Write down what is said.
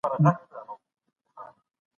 د زېږون وروسته وينه جدي ونيسه